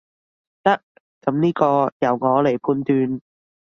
得，噉呢個由我來判斷